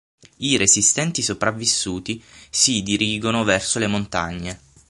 I resistenti sopravvissuti si dirigono verso le montagne.